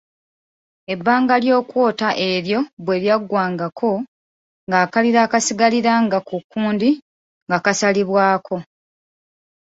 Ebbanga ly’okwota eryo bwe lyaggwangako ng’akalira akaasigaliranga ku kkundi nga kasalibwako.